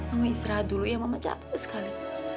kamu istirahat dulu ya mama capek sekali